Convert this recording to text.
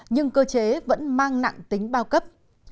nhưng cơ chế vẫn mang nặng tính bao cấp